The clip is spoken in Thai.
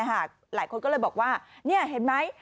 หลายคนก็เลยบอกว่านี่เห็นไหม